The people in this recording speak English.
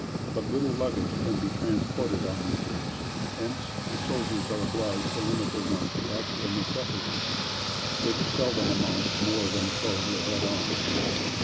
But little luggage can be transported on these trips, hence, the soldiers are obliged to limit their wants to actual necessity, which seldom amounts to more than the clothes they have on.